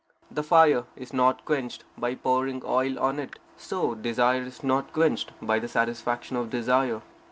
The fire is not quenched by pouring oil on it; so desire is not quenched by the satisfaction of desire.